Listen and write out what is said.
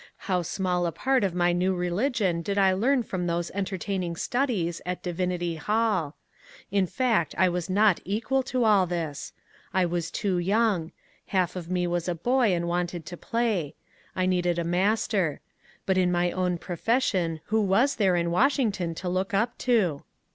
How small a part of my new religion did I learn from those entertaining studies at Divinity Hall ! In fact I was not equal to all this. I was too young ; half of me was a boy and wanted to play. I needed a master. But in my own profession who was there in Washington to look up to